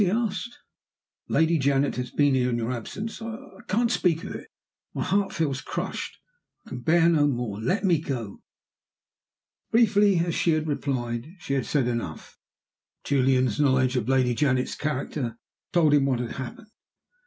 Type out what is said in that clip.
he asked. "Lady Janet has been here in your absence. I can't speak of it my heart feels crushed I can bear no more. Let me go!" Briefly as she had replied, she had said enough. Julian's knowledge of Lady Janet's character told him what had happened.